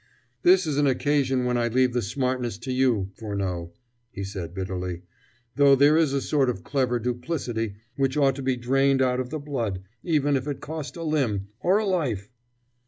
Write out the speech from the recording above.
"This is an occasion when I leave the smartness to you, Furneaux," he said bitterly, "though there is a sort of clever duplicity which ought to be drained out of the blood, even if it cost a limb, or a life."